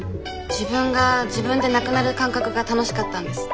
自分が自分でなくなる感覚が楽しかったんです。